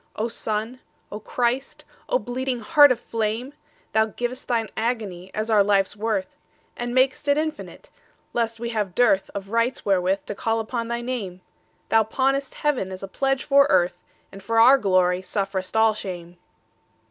O Sun, O Christ, O bleeding Heart of flame! Thou giv'st Thine agony as our life's worth, And mak'st it infinite, lest we have dearthOf rights wherewith to call upon thy Name; Thou pawnest Heaven as a pledge for Earth, And for our glory sufferest all shame.